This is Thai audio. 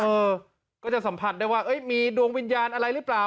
เออก็จะสัมผัสได้ว่ามีดวงวิญญาณอะไรหรือเปล่า